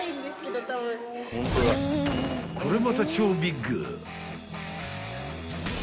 ［これまた超ビッグ］